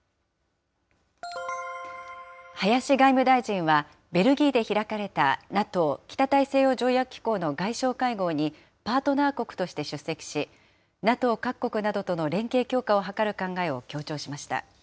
林外務大臣は、ベルギーで開かれた、ＮＡＴＯ・北大西洋条約機構の外相会合に、パートナー国として出席し、ＮＡＴＯ各国などとの連携強化を図る考えを強調しました。